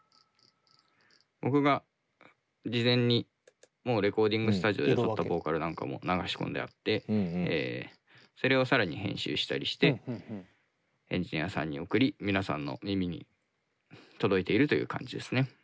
僕が事前にレコーディングスタジオでとったボーカルなんかも流し込んであってそれを更に編集したりしてエンジニアさんに送り皆さんの耳に届いているという感じですね。